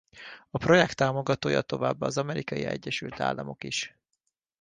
A projekt támogatója továbbá az Amerikai Egyesült Államok is.